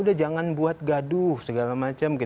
udah jangan buat gaduh segala macam